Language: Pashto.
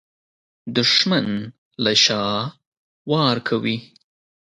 دښمن له شا وار کوي